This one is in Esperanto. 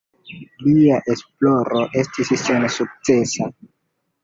Lia esploro estis sensukcesa.